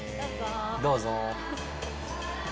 どうぞ。